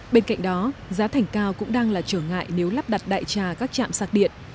bên cạnh đó giá thành cao cũng đang là trở ngại nếu lắp đặt đại trà các chạm sạc điện